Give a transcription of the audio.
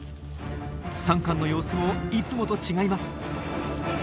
サンカンの様子もいつもと違います。